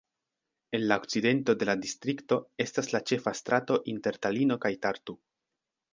En la okcidento de la distrikto estas la ĉefa strato inter Talino kaj Tartu.